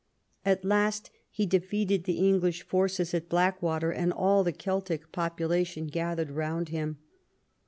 At last he defeated the English forces at Blackwater, and all the Celtic population gathered round him.